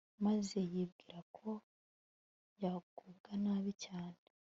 maze yibwira ko yagubwa nabi cyane